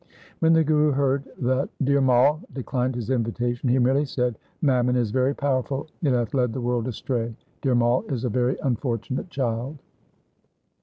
When the Guru heard that Dhir Mai declined his invitation, he merely said, ' Mammon is very powerful. It hath led the world astray. Dhir Mai is a very unfortunate child.'